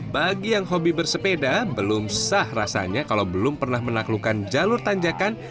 bagi yang hobi bersepeda belum sah rasanya kalau belum pernah menaklukkan jalur tanjakan